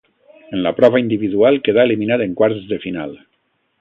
En la prova individual quedà eliminat en quarts de final.